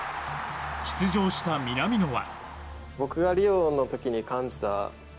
出場した南野は。